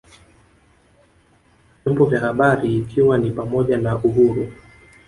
vyombo vya habari ikiwa ni pamoja na uhuru